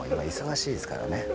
今忙しいですからね